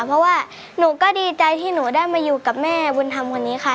เพราะว่าหนูก็ดีใจที่หนูได้มาอยู่กับแม่บุญธรรมคนนี้ค่ะ